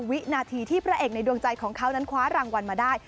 วินาทีที่พระเอกในดวงใจของเขานั้นคว้ารางวัลมาได้